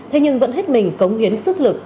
thế nhưng vẫn hết mình cống hiến sức lực